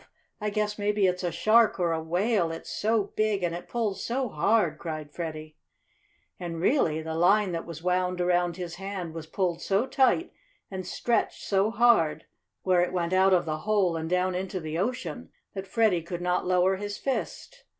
I guess maybe it's a shark or a whale, it's so big, and it pulls so hard!" cried Freddie. And, really, the line that was wound around his hand was pulled so tight, and stretched so hard, where it went out of the hole and down into the ocean, that Freddie could not lower his fist.